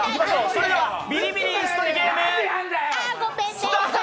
それでは「ビリビリイス取りゲーム」スタート。